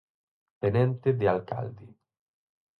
Tenente de alcalde.